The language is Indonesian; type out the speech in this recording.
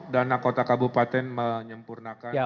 dana kota kabupaten menyempurnakan